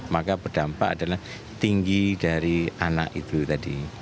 maka berdampak adalah tinggi dari anak itu tadi